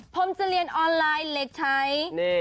๑ผมจะเรียนออนไลน์เล็กไทย